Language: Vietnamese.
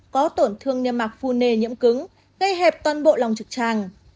có tổn thương niêm mạc phu nề nhiễm cứng gây hẹp toàn bộ lòng trực tràng